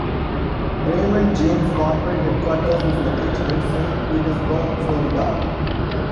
Raymond James corporate headquarters is located in Saint Petersburg, Florida.